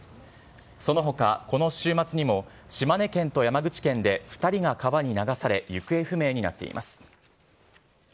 そのほかこの週末にも島根県と山口県で２人が川に流され、行方不明になっています。